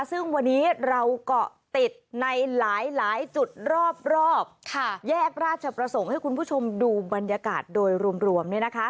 ซึ่งวันนี้เราเกาะติดในหลายจุดรอบแยกราชประสงค์ให้คุณผู้ชมดูบรรยากาศโดยรวม